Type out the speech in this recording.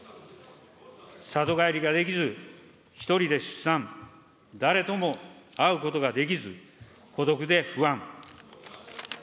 里帰りができず、１人で出産、誰とも会うことができず、孤独で不安。